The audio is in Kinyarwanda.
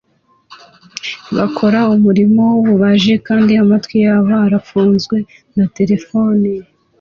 Bakora umurimo w'ububaji kandi amatwi yabo arafunzwe na terefone